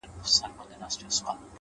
پوهه د پرمختګ لپاره وزرونه ورکوي’